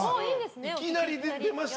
いきなり出ました。